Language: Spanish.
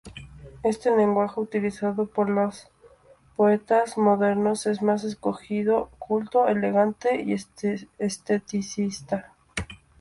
Este lenguaje utilizado por los poetas modernos es más escogido, culto, elegante y esteticista.